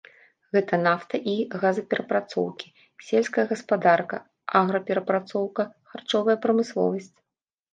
Гэта нафта і газаперапрацоўкі, сельская гаспадарка, аграперапрацоўка, харчовая прамысловасць.